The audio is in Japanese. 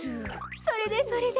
それでそれで？